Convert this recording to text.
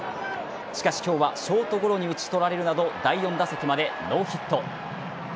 しかし、今日はショートゴロに打ち取られるなど第４打席までノーヒット。